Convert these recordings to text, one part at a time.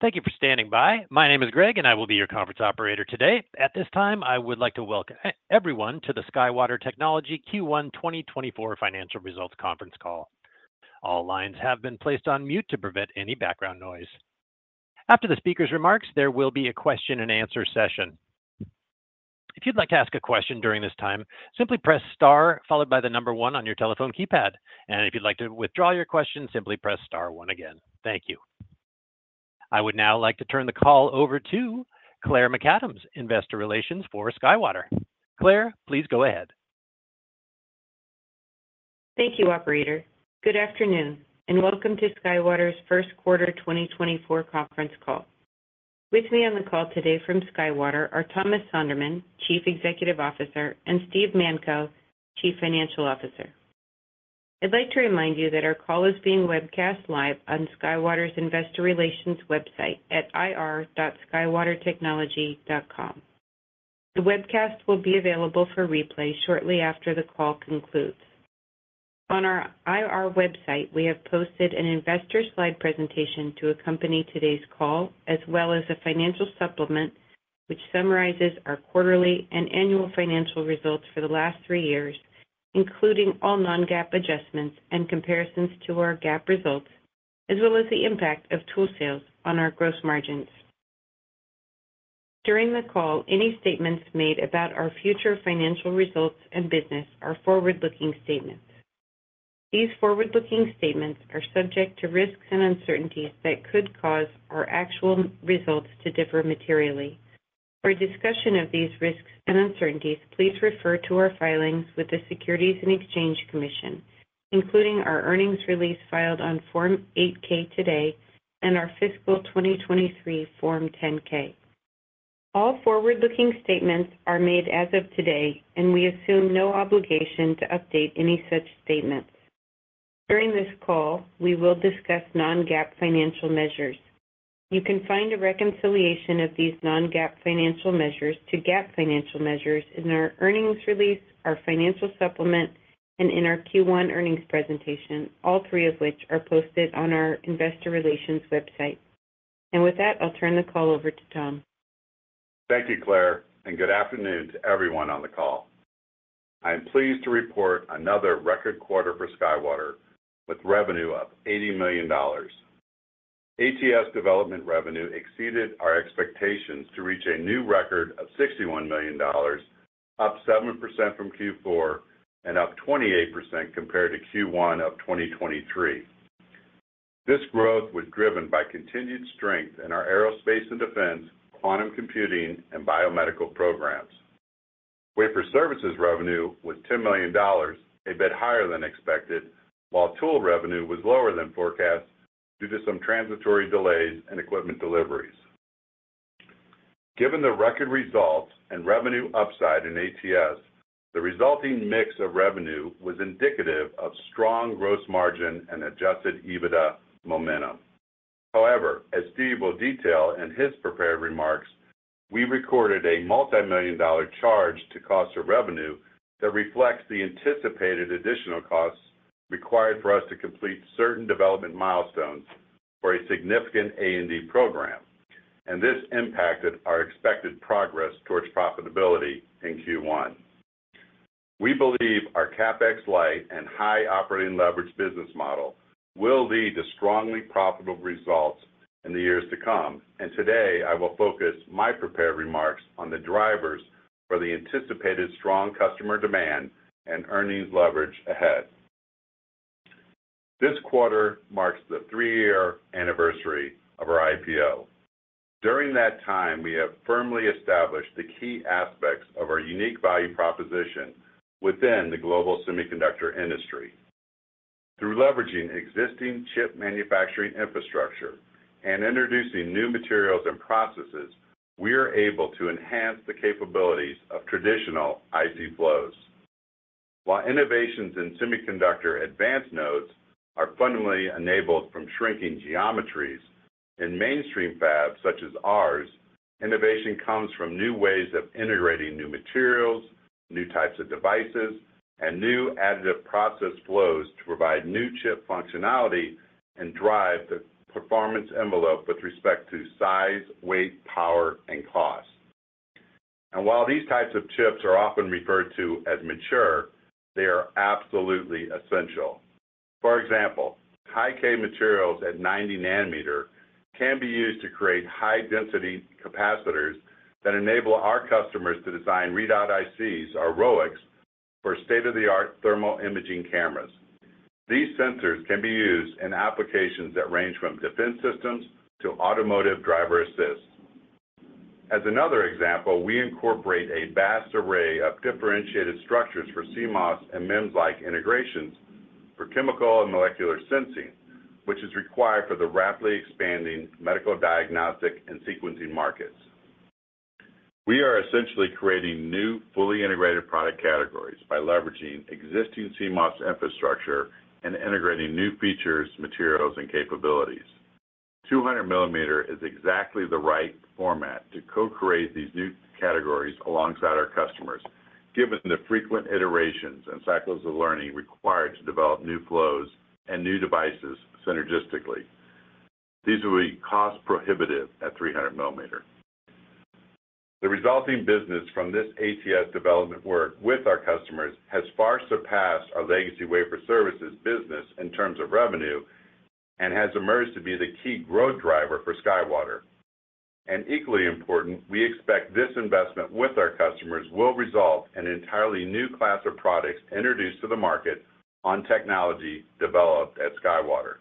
Thank you for standing by. My name is Greg, and I will be your conference operator today. At this time, I would like to welcome everyone to the SkyWater Technology Q1 2024 Financial Results Conference Call. All lines have been placed on mute to prevent any background noise. After the speaker's remarks, there will be a Q&A session. If you'd like to ask a question during this time, simply press star followed by the number one on your telephone keypad, and if you'd like to withdraw your question, simply press star one again. Thank you. I would now like to turn the call over to Claire McAdams, Investor Relations for SkyWater. Claire, please go ahead. Thank you, Operator. Good afternoon, and welcome to SkyWater's first quarter 2024 conference call. With me on the call today from SkyWater are Thomas Sonderman, Chief Executive Officer, and Steve Manko, Chief Financial Officer. I'd like to remind you that our call is being webcast live on SkyWater's Investor Relations website at ir.skywatertechnology.com. The webcast will be available for replay shortly after the call concludes. On our IR website, we have posted an investor slide presentation to accompany today's call, as well as a financial supplement which summarizes our quarterly and annual financial results for the last three years, including all non-GAAP adjustments and comparisons to our GAAP results, as well as the impact of tool sales on our gross margins. During the call, any statements made about our future financial results and business are forward-looking statements. These forward-looking statements are subject to risks and uncertainties that could cause our actual results to differ materially. For a discussion of these risks and uncertainties, please refer to our filings with the Securities and Exchange Commission, including our earnings release filed on Form 8-K today and our Fiscal 2023 Form 10-K. All forward-looking statements are made as of today, and we assume no obligation to update any such statements. During this call, we will discuss non-GAAP financial measures. You can find a reconciliation of these non-GAAP financial measures to GAAP financial measures in our earnings release, our financial supplement, and in our Q1 earnings presentation, all three of which are posted on our Investor Relations website. With that, I'll turn the call over to Tom. Thank you, Claire, and good afternoon to everyone on the call. I am pleased to report another record quarter for SkyWater with revenue of $80 million. ATS development revenue exceeded our expectations to reach a new record of $61 million, up 7% from Q4 and up 28% compared to Q1 of 2023. This growth was driven by continued strength in our aerospace and defense, quantum computing, and biomedical programs. Wafer services revenue was $10 million, a bit higher than expected, while tool revenue was lower than forecast due to some transitory delays in equipment deliveries. Given the record results and revenue upside in ATS, the resulting mix of revenue was indicative of strong gross margin and Adjusted EBITDA momentum. However, as Steve will detail in his prepared remarks, we recorded a multimillion-dollar charge to cost of revenue that reflects the anticipated additional costs required for us to complete certain development milestones for a significant A&D program, and this impacted our expected progress towards profitability in Q1. We believe our CapEx light and high operating leverage business model will lead to strongly profitable results in the years to come, and today I will focus my prepared remarks on the drivers for the anticipated strong customer demand and earnings leverage ahead. This quarter marks the three-year anniversary of our IPO. During that time, we have firmly established the key aspects of our unique value proposition within the global semiconductor industry. Through leveraging existing chip manufacturing infrastructure and introducing new materials and processes, we are able to enhance the capabilities of traditional IC flows. While innovations in semiconductor advanced nodes are fundamentally enabled from shrinking geometries in mainstream fabs such as ours, innovation comes from new ways of integrating new materials, new types of devices, and new additive process flows to provide new chip functionality and drive the performance envelope with respect to size, weight, power, and cost. While these types of chips are often referred to as mature, they are absolutely essential. For example, Hi-K materials at 90 nanometer can be used to create high-density capacitors that enable our customers to design readout ICs, or ROICs, for state-of-the-art thermal imaging cameras. These sensors can be used in applications that range from defense systems to automotive driver assists. As another example, we incorporate a vast array of differentiated structures for CMOS and MEMS-like integrations for chemical and molecular sensing, which is required for the rapidly expanding medical diagnostic and sequencing markets. We are essentially creating new fully integrated product categories by leveraging existing CMOS infrastructure and integrating new features, materials, and capabilities. 200 mm is exactly the right format to co-create these new categories alongside our customers, given the frequent iterations and cycles of learning required to develop new flows and new devices synergistically. These will be cost prohibitive at 300 mm. The resulting business from this ATS development work with our customers has far surpassed our legacy wafer services business in terms of revenue and has emerged to be the key growth driver for SkyWater. And equally important, we expect this investment with our customers will result in an entirely new class of products introduced to the market on technology developed at SkyWater.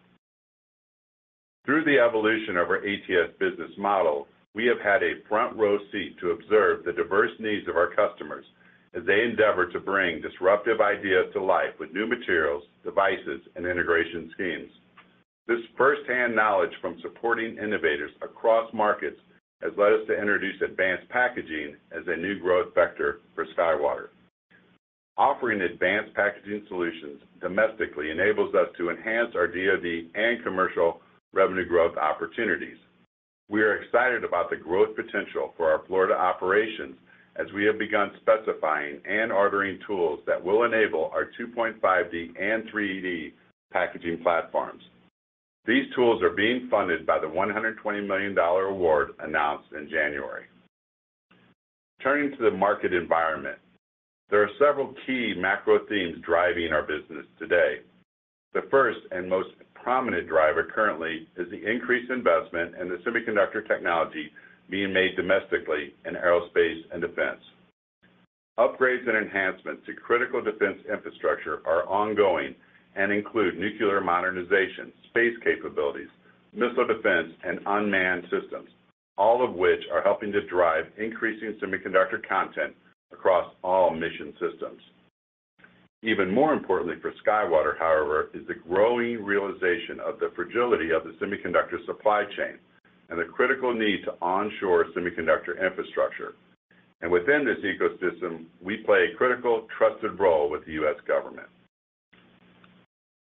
Through the evolution of our ATS business model, we have had a front-row seat to observe the diverse needs of our customers as they endeavor to bring disruptive ideas to life with new materials, devices, and integration schemes. This firsthand knowledge from supporting innovators across markets has led us to introduce advanced packaging as a new growth vector for SkyWater. Offering advanced packaging solutions domestically enables us to enhance our DoD and commercial revenue growth opportunities. We are excited about the growth potential for our Florida operations as we have begun specifying and ordering tools that will enable our 2.5D and 3D packaging platforms. These tools are being funded by the $120 million award announced in January. Turning to the market environment, there are several key macro themes driving our business today. The first and most prominent driver currently is the increased investment in the semiconductor technology being made domestically in aerospace and defense. Upgrades and enhancements to critical defense infrastructure are ongoing and include nuclear modernization, space capabilities, missile defense, and unmanned systems, all of which are helping to drive increasing semiconductor content across all mission systems. Even more importantly for SkyWater, however, is the growing realization of the fragility of the semiconductor supply chain and the critical need to onshore semiconductor infrastructure. Within this ecosystem, we play a critical, trusted role with the U.S. government.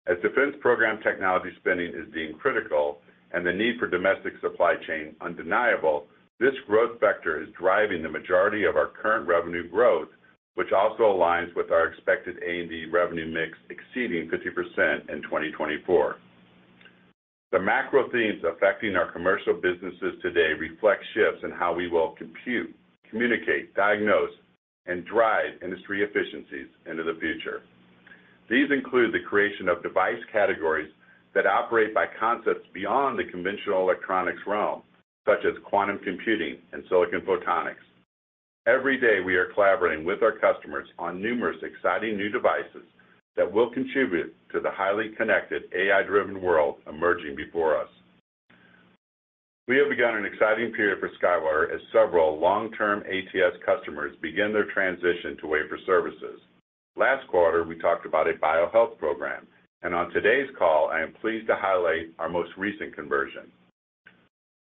As defense program technology spending is deemed critical and the need for domestic supply chain undeniable, this growth vector is driving the majority of our current revenue growth, which also aligns with our expected A&D revenue mix exceeding 50% in 2024. The macro themes affecting our commercial businesses today reflect shifts in how we will compute, communicate, diagnose, and drive industry efficiencies into the future. These include the creation of device categories that operate by concepts beyond the conventional electronics realm, such as quantum computing and silicon photonics. Every day, we are collaborating with our customers on numerous exciting new devices that will contribute to the highly connected, AI-driven world emerging before us. We have begun an exciting period for SkyWater as several long-term ATS customers begin their transition to wafer services. Last quarter, we talked about a biohealth program, and on today's call, I am pleased to highlight our most recent conversion.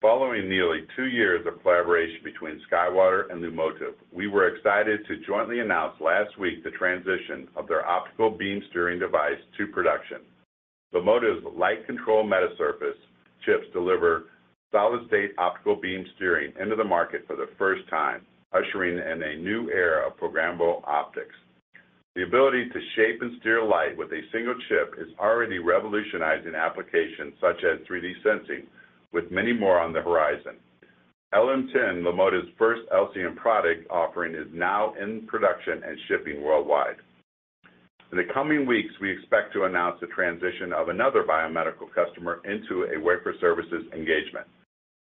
Following nearly two years of collaboration between SkyWater and Lumotive, we were excited to jointly announce last week the transition of their optical beam steering device to production. Lumotive's Light Control Metasurface chips deliver solid-state optical beam steering into the market for the first time, ushering in a new era of programmable optics. The ability to shape and steer light with a single chip is already revolutionizing applications such as 3D sensing, with many more on the horizon. LM10, Lumotive's first LCM product offering, is now in production and shipping worldwide. In the coming weeks, we expect to announce the transition of another biomedical customer into a wafer services engagement.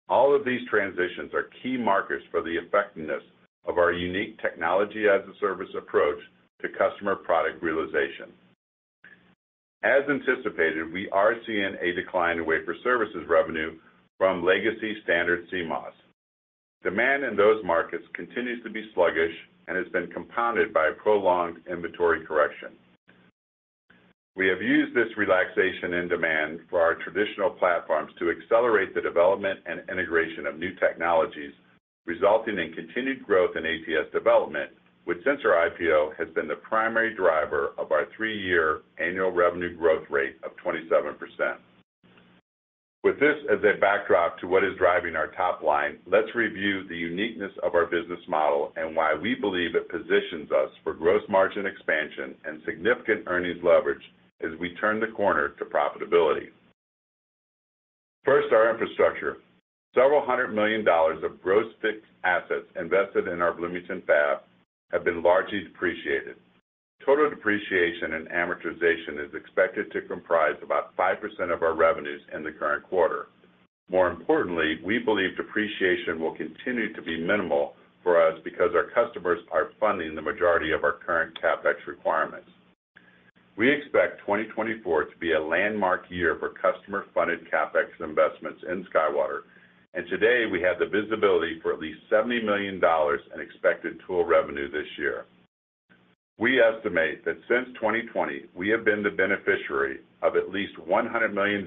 All of these transitions are key markers for the effectiveness of our unique technology-as-a-service approach to customer product realization. As anticipated, we are seeing a decline in wafer services revenue from legacy standard CMOS. Demand in those markets continues to be sluggish and has been compounded by prolonged inventory correction. We have used this relaxation in demand for our traditional platforms to accelerate the development and integration of new technologies, resulting in continued growth in ATS development, which since our IPO has been the primary driver of our three-year annual revenue growth rate of 27%. With this as a backdrop to what is driving our top line, let's review the uniqueness of our business model and why we believe it positions us for gross margin expansion and significant earnings leverage as we turn the corner to profitability. First, our infrastructure. Several hundred million of gross fixed assets invested in our Bloomington fab have been largely depreciated. Total depreciation and amortization is expected to comprise about 5% of our revenues in the current quarter. More importantly, we believe depreciation will continue to be minimal for us because our customers are funding the majority of our current CapEx requirements. We expect 2024 to be a landmark year for customer-funded CapEx investments in SkyWater, and today we have the visibility for at least $70 million in expected tool revenue this year. We estimate that since 2020, we have been the beneficiary of at least $100 million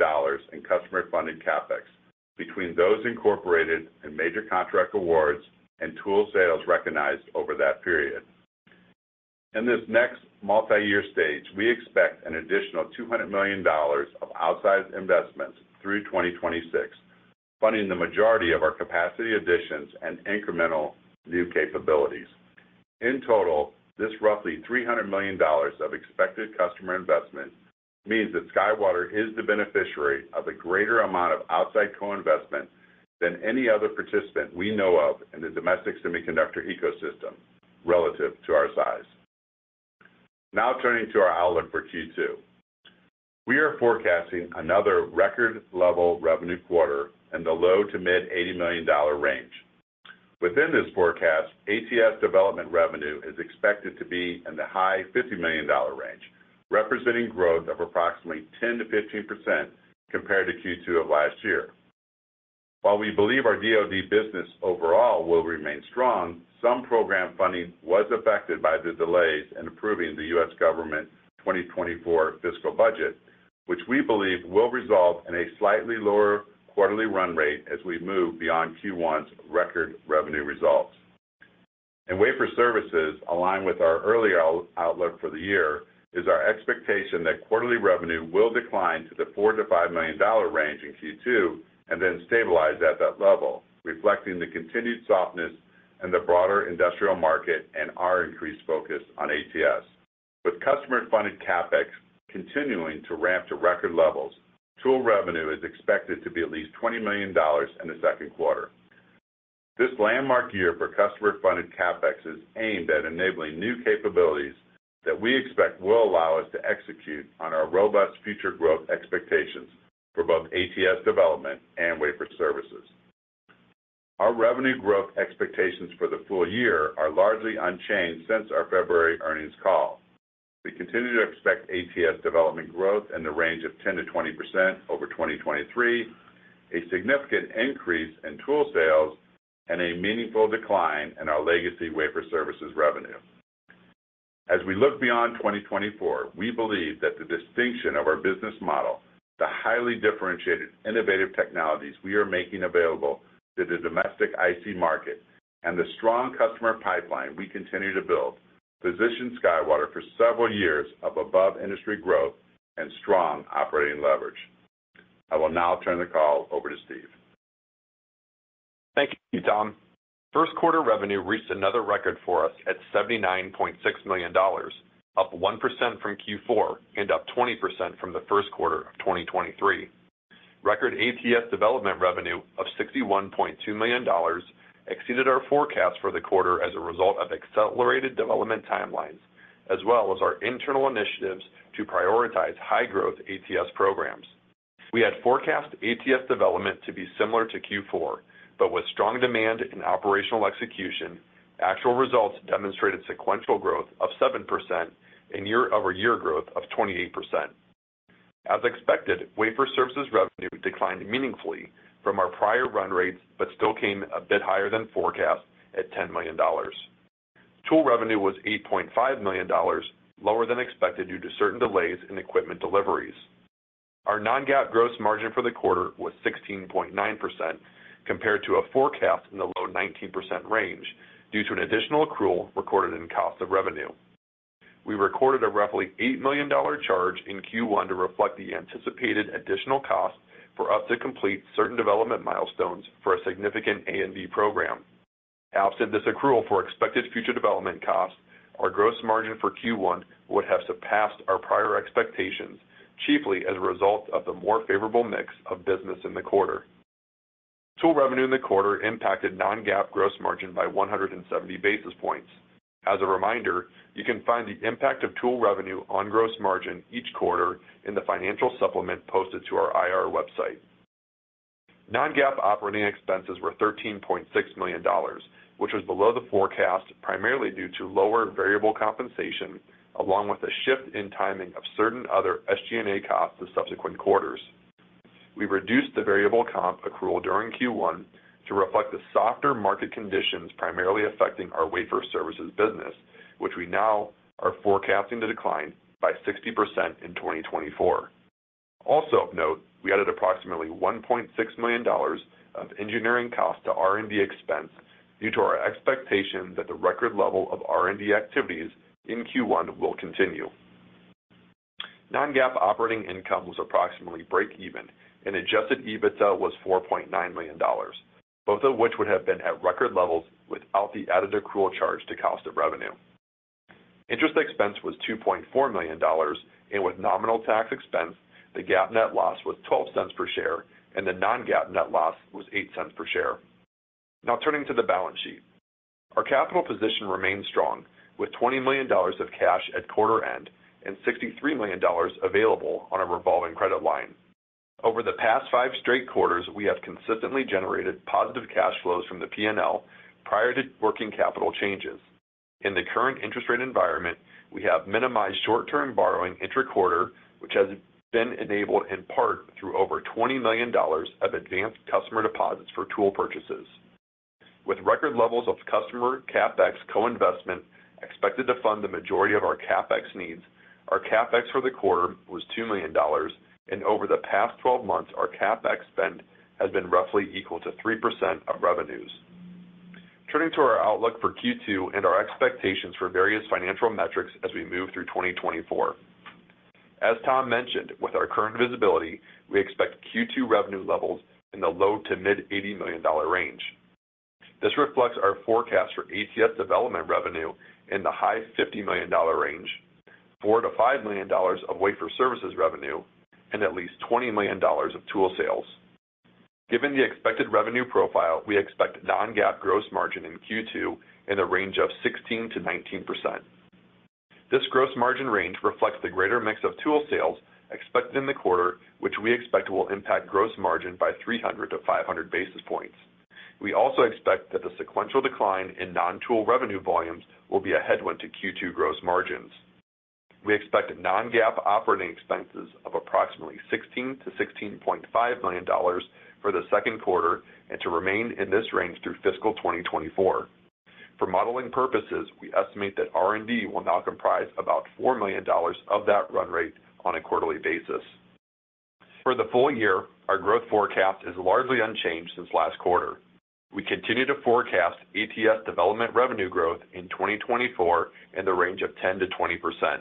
in customer-funded CapEx between those incorporated in major contract awards and tool sales recognized over that period. In this next multi-year stage, we expect an additional $200 million of outside investments through 2026, funding the majority of our capacity additions and incremental new capabilities. In total, this roughly $300 million of expected customer investment means that SkyWater is the beneficiary of a greater amount of outside co-investment than any other participant we know of in the domestic semiconductor ecosystem relative to our size. Now turning to our outlook for Q2. We are forecasting another record-level revenue quarter in the low to mid-$80 million range. Within this forecast, ATS development revenue is expected to be in the high $50 million range, representing growth of approximately 10%-15% compared to Q2 of last year. While we believe our DoD business overall will remain strong, some program funding was affected by the delays in approving the U.S. government 2024 fiscal budget, which we believe will result in a slightly lower quarterly run rate as we move beyond Q1's record revenue results. In wafer services, aligned with our earlier outlook for the year, is our expectation that quarterly revenue will decline to the $4-$5 million range in Q2 and then stabilize at that level, reflecting the continued softness in the broader industrial market and our increased focus on ATS. With customer-funded CapEx continuing to ramp to record levels, tool revenue is expected to be at least $20 million in the second quarter. This landmark year for customer-funded CapEx is aimed at enabling new capabilities that we expect will allow us to execute on our robust future growth expectations for both ATS development and wafer services. Our revenue growth expectations for the full year are largely unchanged since our February earnings call. We continue to expect ATS development growth in the range of 10%-20% over 2023, a significant increase in tool sales, and a meaningful decline in our legacy wafer services revenue. As we look beyond 2024, we believe that the distinction of our business model, the highly differentiated innovative technologies we are making available to the domestic IC market, and the strong customer pipeline we continue to build, position SkyWater for several years of above-industry growth and strong operating leverage. I will now turn the call over to Steve. Thank you, Tom. First quarter revenue reached another record for us at $79.6 million, up 1% from Q4 and up 20% from the first quarter of 2023. Record ATS development revenue of $61.2 million exceeded our forecast for the quarter as a result of accelerated development timelines, as well as our internal initiatives to prioritize high-growth ATS programs. We had forecast ATS development to be similar to Q4, but with strong demand in operational execution, actual results demonstrated sequential growth of 7% and year-over-year growth of 28%. As expected, wafer services revenue declined meaningfully from our prior run rates but still came a bit higher than forecast at $10 million. Tool revenue was $8.5 million, lower than expected due to certain delays in equipment deliveries. Our non-GAAP gross margin for the quarter was 16.9% compared to a forecast in the low 19% range due to an additional accrual recorded in cost of revenue. We recorded a roughly $8 million charge in Q1 to reflect the anticipated additional cost for us to complete certain development milestones for a significant A&D program. Absent this accrual for expected future development costs, our gross margin for Q1 would have surpassed our prior expectations, chiefly as a result of the more favorable mix of business in the quarter. Tool revenue in the quarter impacted non-GAAP gross margin by 170 basis points. As a reminder, you can find the impact of tool revenue on gross margin each quarter in the financial supplement posted to our IR website. Non-GAAP operating expenses were $13.6 million, which was below the forecast primarily due to lower variable compensation along with a shift in timing of certain other SG&A costs to the subsequent quarters. We reduced the variable comp accrual during Q1 to reflect the softer market conditions primarily affecting our wafer services business, which we now are forecasting to decline by 60% in 2024. Also of note, we added approximately $1.6 million of engineering costs to R&D expense due to our expectation that the record level of R&D activities in Q1 will continue. Non-GAAP operating income was approximately break-even, and Adjusted EBITDA was $4.9 million, both of which would have been at record levels without the added accrual charge to cost of revenue. Interest expense was $2.4 million, and with nominal tax expense, the GAAP net loss was $0.12 per share, and the Non-GAAP net loss was $0.08 per share. Now turning to the balance sheet. Our capital position remains strong with $20 million of cash at quarter end and $63 million available on a revolving credit line. Over the past five straight quarters, we have consistently generated positive cash flows from the P&L prior to working capital changes. In the current interest rate environment, we have minimized short-term borrowing intra-quarter, which has been enabled in part through over $20 million of advanced customer deposits for tool purchases. With record levels of customer CapEx co-investment expected to fund the majority of our CapEx needs, our CapEx for the quarter was $2 million, and over the past 12 months, our CapEx spend has been roughly equal to 3% of revenues. Turning to our outlook for Q2 and our expectations for various financial metrics as we move through 2024. As Tom mentioned, with our current visibility, we expect Q2 revenue levels in the low to mid-$80 million range. This reflects our forecast for ATS development revenue in the high-$50 million range, $4-$5 million of wafer services revenue, and at least $20 million of tool sales. Given the expected revenue profile, we expect non-GAAP gross margin in Q2 in the range of 16%-19%. This gross margin range reflects the greater mix of tool sales expected in the quarter, which we expect will impact gross margin by 300-500 basis points. We also expect that the sequential decline in non-tool revenue volumes will be a headwind to Q2 gross margins. We expect non-GAAP operating expenses of approximately $16-$16.5 million for the second quarter and to remain in this range through fiscal 2024. For modeling purposes, we estimate that R&D will now comprise about $4 million of that run rate on a quarterly basis. For the full year, our growth forecast is largely unchanged since last quarter. We continue to forecast ATS development revenue growth in 2024 in the range of 10%-20%.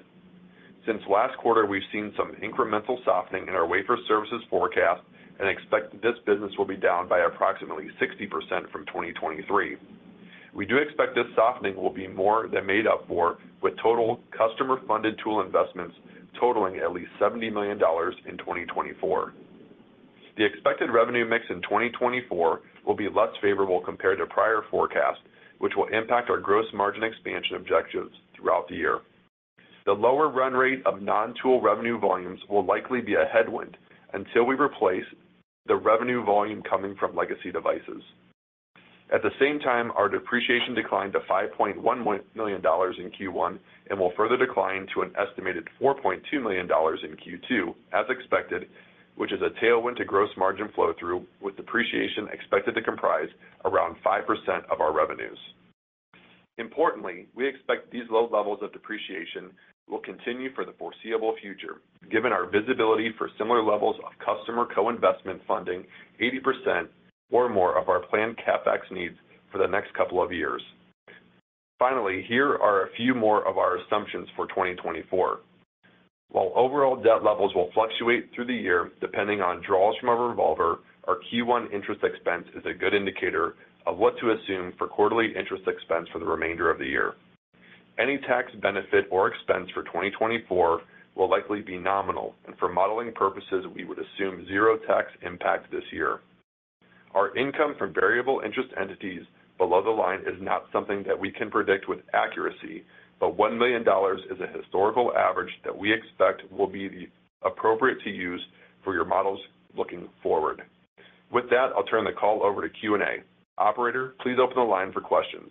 Since last quarter, we've seen some incremental softening in our wafer services forecast and expect this business will be down by approximately 60% from 2023. We do expect this softening will be more than made up for, with total customer-funded tool investments totaling at least $70 million in 2024. The expected revenue mix in 2024 will be less favorable compared to prior forecasts, which will impact our gross margin expansion objectives throughout the year. The lower run rate of non-tool revenue volumes will likely be a headwind until we replace the revenue volume coming from legacy devices. At the same time, our depreciation declined to $5.1 million in Q1 and will further decline to an estimated $4.2 million in Q2 as expected, which is a tailwind to gross margin flow-through with depreciation expected to comprise around 5% of our revenues. Importantly, we expect these low levels of depreciation will continue for the foreseeable future, given our visibility for similar levels of customer co-investment funding, 80% or more of our planned CapEx needs for the next couple of years. Finally, here are a few more of our assumptions for 2024. While overall debt levels will fluctuate through the year depending on draws from a revolver, our Q1 interest expense is a good indicator of what to assume for quarterly interest expense for the remainder of the year. Any tax benefit or expense for 2024 will likely be nominal, and for modeling purposes, we would assume zero tax impact this year. Our income from variable interest entities below the line is not something that we can predict with accuracy, but $1 million is a historical average that we expect will be appropriate to use for your models looking forward. With that, I'll turn the call over to Q&A. Operator, please open the line for questions.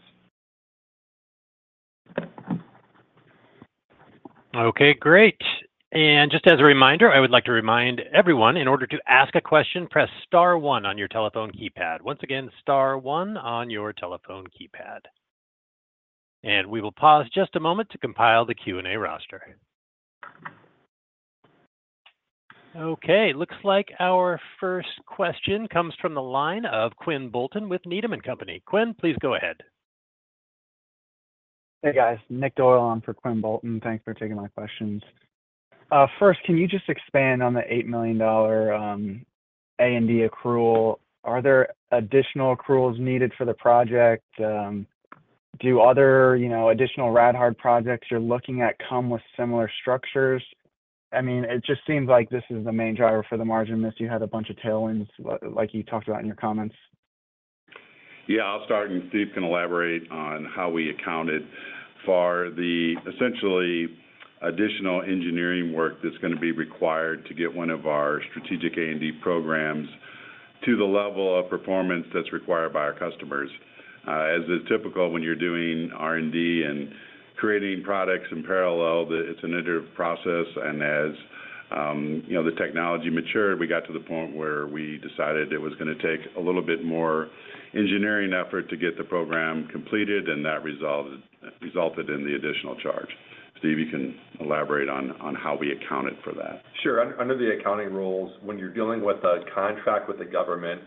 Okay, great. And just as a reminder, I would like to remind everyone, in order to ask a question, press star one on your telephone keypad. Once again, star one on your telephone keypad. And we will pause just a moment to compile the Q&A roster. Okay, it looks like our first question comes from the line of Quinn Bolton with Needham & Company. Quinn, please go ahead. Hey guys, Nick Doyle on for Quinn Bolton. Thanks for taking my questions. First, can you just expand on the $8 million A&D accrual? Are there additional accruals needed for the project? Do other additional Rad-Hard projects you're looking at come with similar structures? I mean, it just seems like this is the main driver for the margin mix. You had a bunch of tailwinds like you talked about in your comments. Yeah, I'll start and Steve can elaborate on how we accounted for the essentially additional engineering work that's going to be required to get one of our strategic A&D programs to the level of performance that's required by our customers. As is typical, when you're doing R&D and creating products in parallel, it's an iterative process. And as the technology matured, we got to the point where we decided it was going to take a little bit more engineering effort to get the program completed, and that resulted in the additional charge. Steve, you can elaborate on how we accounted for that. Sure. Under the accounting rules, when you're dealing with a contract with the government,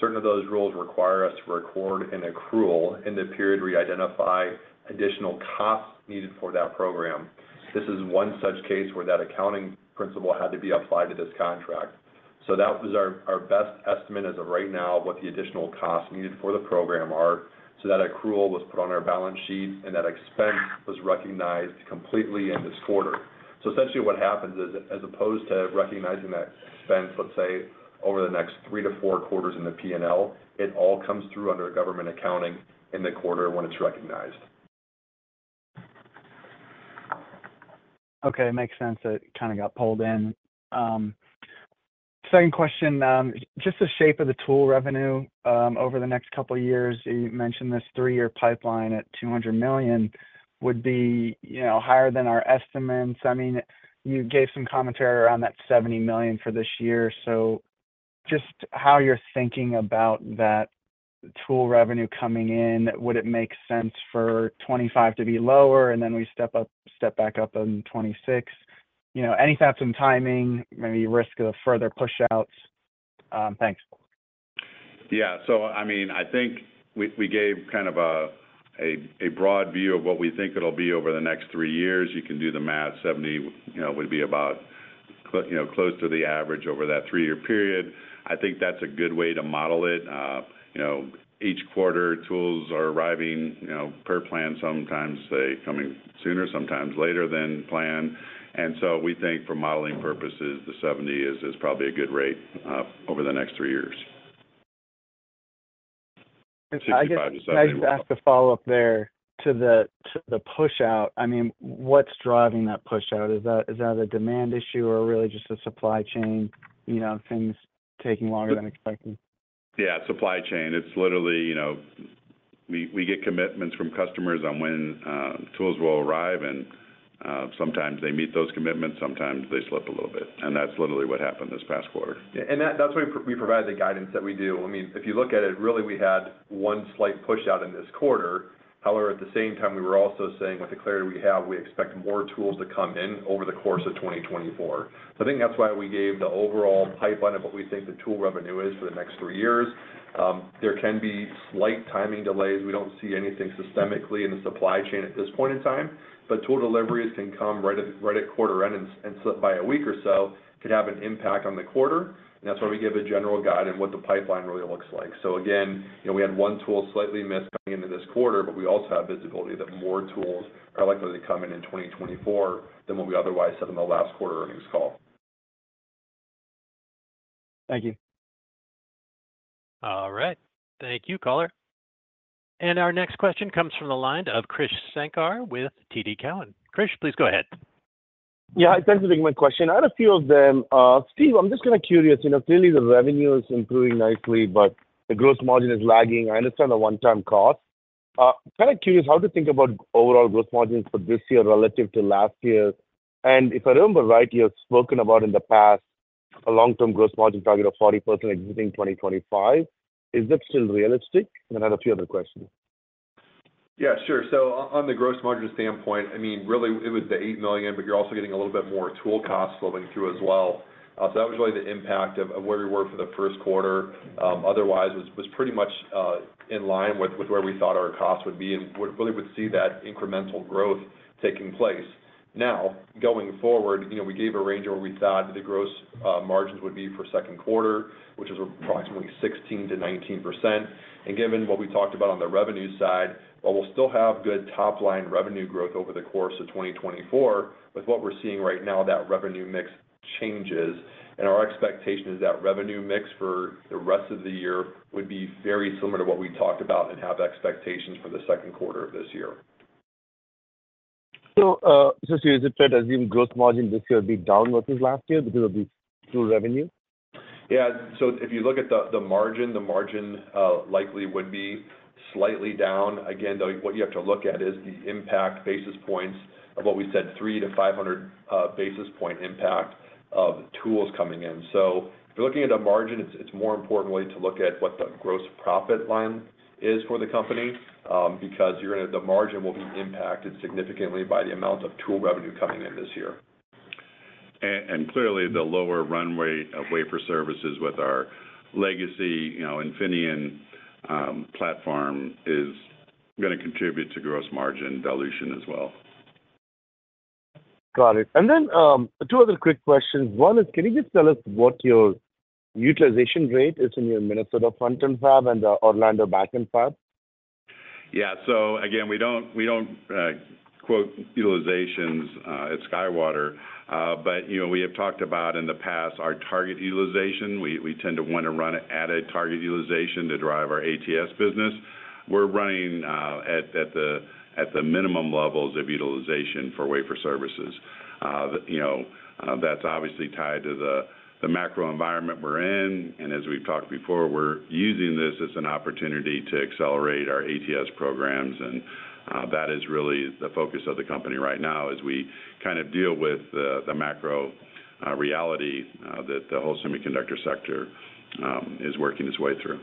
certain of those rules require us to record an accrual in the period we identify additional costs needed for that program. This is one such case where that accounting principle had to be applied to this contract. So that was our best estimate as of right now of what the additional costs needed for the program are, so that accrual was put on our balance sheet and that expense was recognized completely in this quarter. So essentially what happens is, as opposed to recognizing that expense, let's say, over the next 3-4 quarters in the P&L, it all comes through under government accounting in the quarter when it's recognized. Okay, makes sense. It kind of got pulled in. Second question, just the shape of the tool revenue over the next couple of years, you mentioned this three-year pipeline at $200 million would be higher than our estimates. I mean, you gave some commentary around that $70 million for this year. So just how you're thinking about that tool revenue coming in, would it make sense for 2025 to be lower and then we step back up on 2026? Any thoughts on timing, maybe risk of further push-outs? Thanks. Yeah, so I mean, I think we gave kind of a broad view of what we think it'll be over the next three years. You can do the math. 70 would be about close to the average over that three-year period. I think that's a good way to model it. Each quarter, tools are arriving per plan. Sometimes they're coming sooner, sometimes later than planned. So we think for modeling purposes, the 70 is probably a good rate over the next three years. 65 to 70. I just asked a follow-up there to the push-out. I mean, what's driving that push-out? Is that a demand issue or really just a supply chain? Things taking longer than expected? Yeah, supply chain. It's literally we get commitments from customers on when tools will arrive, and sometimes they meet those commitments, sometimes they slip a little bit. And that's literally what happened this past quarter. And that's why we provide the guidance that we do. I mean, if you look at it, really we had one slight push-out in this quarter. However, at the same time, we were also saying with the clarity we have, we expect more tools to come in over the course of 2024. So I think that's why we gave the overall pipeline of what we think the tool revenue is for the next three years. There can be slight timing delays. We don't see anything systemically in the supply chain at this point in time, but tool deliveries can come right at quarter end and by a week or so can have an impact on the quarter. And that's why we give a general guide on what the pipeline really looks like. So again, we had one tool slightly missed coming into this quarter, but we also have visibility that more tools are likely to come in in 2024 than what we otherwise said on the last quarter earnings call. Thank you. All right. Thank you, Caller. And our next question comes from the line of Krish Sankar with TD Cowen. Krish, please go ahead. Yeah, thanks for taking my question. I had a few of them. Steve, I'm just kind of curious. Clearly, the revenue is improving nicely, but the gross margin is lagging. I understand the one-time cost. Kind of curious how to think about overall gross margins for this year relative to last year. And if I remember right, you have spoken about in the past a long-term gross margin target of 40% exiting 2025. Is that still realistic? And I had a few other questions. Yeah, sure. So on the gross margin standpoint, I mean, really it was the $8 million, but you're also getting a little bit more tool costs flowing through as well. So that was really the impact of where we were for the first quarter. Otherwise, it was pretty much in line with where we thought our cost would be and really would see that incremental growth taking place. Now, going forward, we gave a range of where we thought the gross margins would be for second quarter, which is approximately 16%-19%. And given what we talked about on the revenue side, while we'll still have good top-line revenue growth over the course of 2024, with what we're seeing right now, that revenue mix changes. Our expectation is that revenue mix for the rest of the year would be very similar to what we talked about and have expectations for the second quarter of this year. Is it fair to assume gross margin this year would be down versus last year because of the tool revenue? Yeah. So if you look at the margin, the margin likely would be slightly down. Again, though, what you have to look at is the impact basis points of what we said, 3-500 basis point impact of tools coming in. So if you're looking at a margin, it's more important really to look at what the gross profit line is for the company because the margin will be impacted significantly by the amount of tool revenue coming in this year. Clearly, the lower runway of wafer services with our legacy Infineon platform is going to contribute to gross margin dilution as well. Got it. And then two other quick questions. One is, can you just tell us what your utilization rate is in your Minnesota front-end fab and the Orlando back-end fab? Yeah. So again, we don't quote utilizations at SkyWater, but we have talked about in the past our target utilization. We tend to want to run at a target utilization to drive our ATS business. We're running at the minimum levels of utilization for wafer services. That's obviously tied to the macro environment we're in. And as we've talked before, we're using this as an opportunity to accelerate our ATS programs. And that is really the focus of the company right now as we kind of deal with the macro reality that the whole semiconductor sector is working its way through.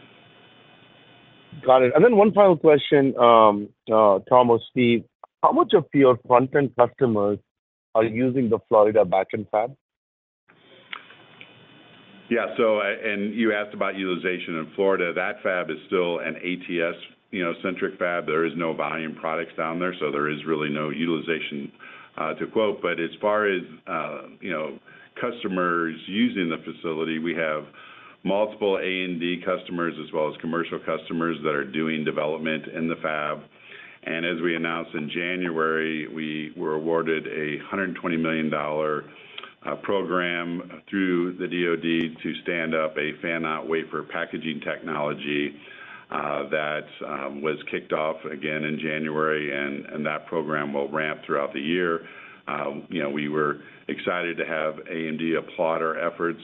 Got it. And then one final question, Thomas, Steve. How much of your front-end customers are using the Florida back-end fab? Yeah. And you asked about utilization in Florida. That fab is still an ATS-centric fab. There are no volume products down there, so there is really no utilization to quote. But as far as customers using the facility, we have multiple A&D customers as well as commercial customers that are doing development in the fab. And as we announced in January, we were awarded a $120 million program through the DOD to stand up a fan-out wafer packaging technology that was kicked off again in January, and that program will ramp throughout the year. We were excited to have A&D applaud our efforts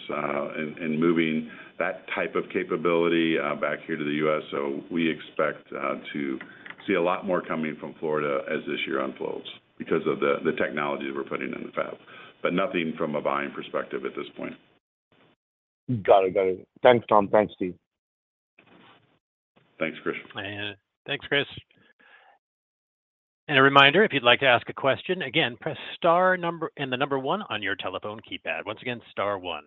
in moving that type of capability back here to the U.S. So we expect to see a lot more coming from Florida as this year unfolds because of the technology that we're putting in the fab, but nothing from a volume perspective at this point. Got it. Got it. Thanks, Tom. Thanks, Steve. Thanks, Krish. Thanks, Chris. A reminder, if you'd like to ask a question, again, press star and the number one on your telephone keypad. Once again, star one.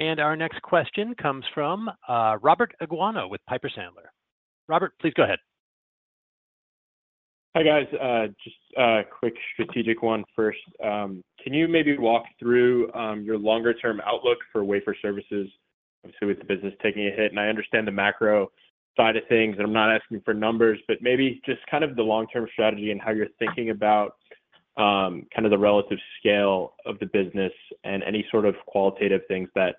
Our next question comes from Robert Aguanno with Piper Sandler. Robert, please go ahead. Hi guys. Just a quick strategic one first. Can you maybe walk through your longer-term outlook for wafer services? Obviously, with the business taking a hit, and I understand the macro side of things, and I'm not asking for numbers, but maybe just kind of the long-term strategy and how you're thinking about kind of the relative scale of the business and any sort of qualitative things that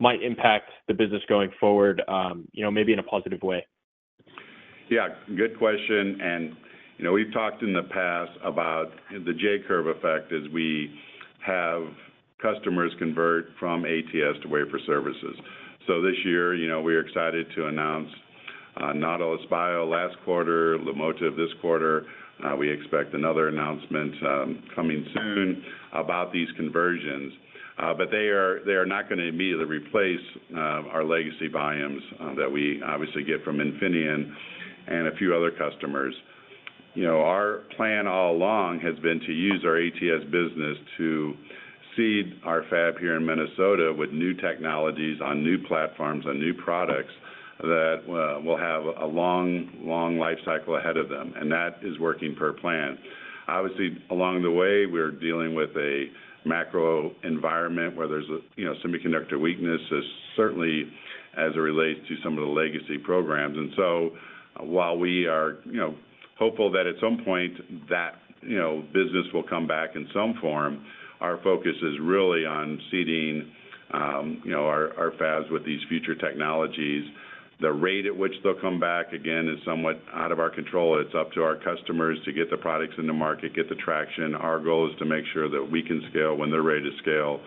might impact the business going forward, maybe in a positive way. Yeah, good question. And we've talked in the past about the J-curve effect as we have customers convert from ATS to wafer services. So this year, we are excited to announce Nautilus Biotechnology last quarter, Lumotive this quarter. We expect another announcement coming soon about these conversions. But they are not going to immediately replace our legacy volumes that we obviously get from Infineon and a few other customers. Our plan all along has been to use our ATS business to seed our fab here in Minnesota with new technologies on new platforms, on new products that will have a long, long lifecycle ahead of them. And that is working per plan. Obviously, along the way, we're dealing with a macro environment where there's semiconductor weakness, certainly as it relates to some of the legacy programs. So while we are hopeful that at some point that business will come back in some form, our focus is really on seeding our fabs with these future technologies. The rate at which they'll come back, again, is somewhat out of our control. It's up to our customers to get the products into market, get the traction. Our goal is to make sure that we can scale when they're ready to scale.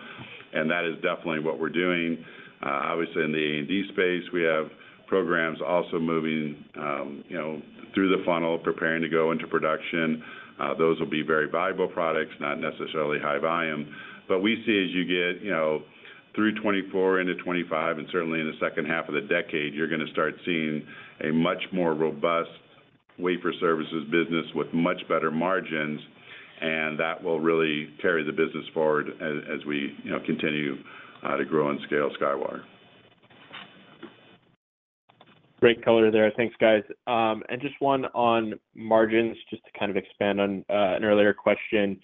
And that is definitely what we're doing. Obviously, in the A&D space, we have programs also moving through the funnel, preparing to go into production. Those will be very valuable products, not necessarily high volume. But we see, as you get through 2024 into 2025 and certainly in the second half of the decade, you're going to start seeing a much more robust wafer services business with much better margins. That will really carry the business forward as we continue to grow and scale SkyWater. Great color there. Thanks, guys. Just one on margins, just to kind of expand on an earlier question.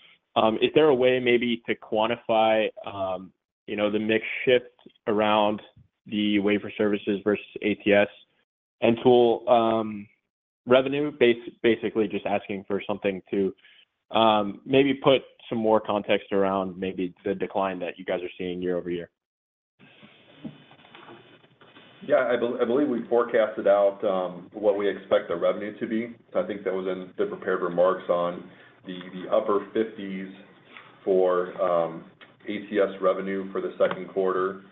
Is there a way maybe to quantify the mix shift around the wafer services versus ATS and tool revenue? Basically, just asking for something to maybe put some more context around maybe the decline that you guys are seeing year-over-year. Yeah, I believe we forecasted out what we expect the revenue to be. So I think that was in the prepared remarks on the upper 50s for ATS revenue for the second quarter,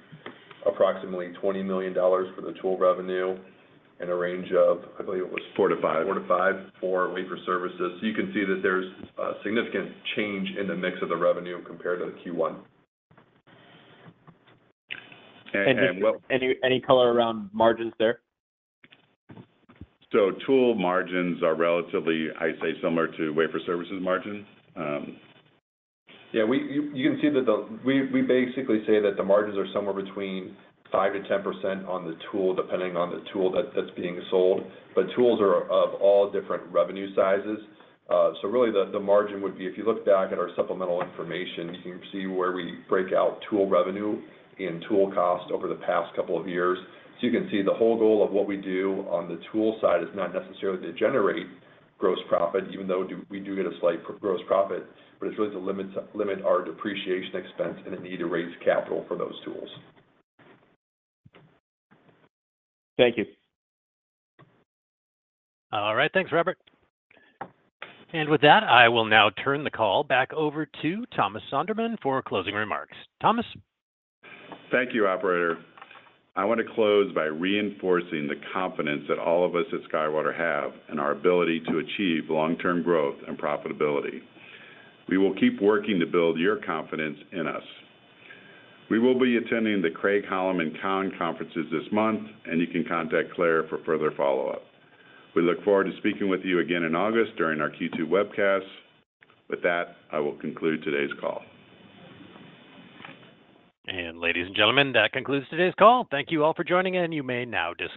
approximately $20 million for the tool revenue, and a range of, I believe it was. 4 to 5. 4-5 for wafer services. You can see that there's a significant change in the mix of the revenue compared to the Q1. Any color around margins there? So tool margins are relatively, I'd say, similar to wafer services margin. Yeah, you can see that we basically say that the margins are somewhere between 5%-10% on the tool, depending on the tool that's being sold. But tools are of all different revenue sizes. So really, the margin would be if you look back at our supplemental information, you can see where we break out tool revenue and tool cost over the past couple of years. So you can see the whole goal of what we do on the tool side is not necessarily to generate gross profit, even though we do get a slight gross profit, but it's really to limit our depreciation expense and the need to raise capital for those tools. Thank you. All right. Thanks, Robert. And with that, I will now turn the call back over to Thomas Sonderman for closing remarks. Thomas. Thank you, operator. I want to close by reinforcing the confidence that all of us at SkyWater have in our ability to achieve long-term growth and profitability. We will keep working to build your confidence in us. We will be attending the Craig-Hallum and Cowen conferences this month, and you can contact Claire for further follow-up. We look forward to speaking with you again in August during our Q2 webcast. With that, I will conclude today's call. Ladies and gentlemen, that concludes today's call. Thank you all for joining in. You may now disconnect.